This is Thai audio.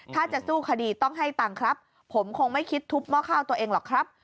ถ้าจะสู้คดีต้องให้ตังค์ครับผมคงไม่คิดทุบหม้อข้าวตัวเองหรอกครับ